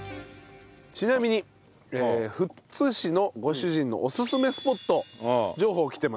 ちなみに富津市のご主人のおすすめスポット情報来てますね。